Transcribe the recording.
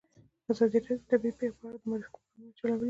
ازادي راډیو د طبیعي پېښې په اړه د معارفې پروګرامونه چلولي.